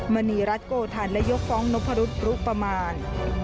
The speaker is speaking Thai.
มณีรัฐโกธันและยกฟ้องนพรุษรุประมาณ